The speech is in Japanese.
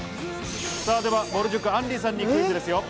では、ぼる塾・あんりさんにクイズですよ。